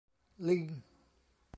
ลิง !